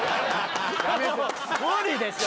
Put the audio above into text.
無理でしょ。